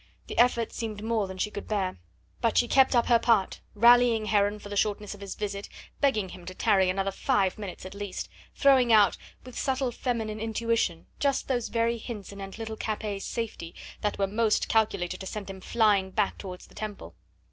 The effort seemed more than she could bear. But she kept up her part, rallying Heron for the shortness of his visit, begging him to tarry for another five minutes at least, throwing out with subtle feminine intuition just those very hints anent little Capet's safety that were most calculated to send him flying back towards the Temple.